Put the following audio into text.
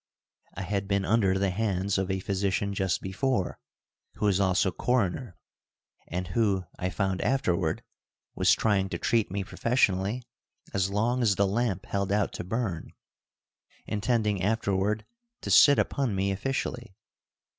I had been under the hands of a physician just before, who was also coroner, and who, I found afterward, was trying to treat me professionally as long as the lamp held out to burn, intending afterward to sit upon me officially.